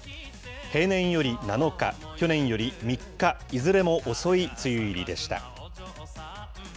平年より７日、去年より３日、いずれも遅い梅雨入りでした。